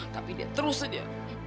tapi dia terus aja